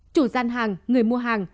chủ gian hàng người mua hàng